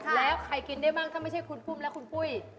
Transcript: แล้วใครกินได้บ้างถ้าไม่ใช่คุณปุ้มและคุณปุ้ย